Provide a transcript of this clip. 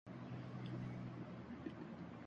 یہ سب کچھ ایک سوچی سمجھی پالیسی کے تحت ہو رہا ہے۔